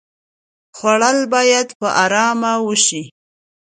خوړل باید په آرامۍ وشي